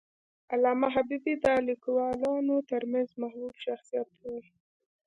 علامه حبیبي د لیکوالانو ترمنځ محبوب شخصیت و.